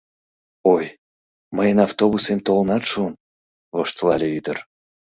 — Ой, мыйын автобусем толынат шуын, — воштылале ӱдыр.